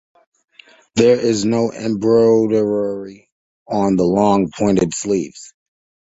There is no embroidery on the long, pointed sleeves.